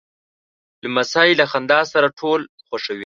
لمسی له خندا سره ټول خوښوي.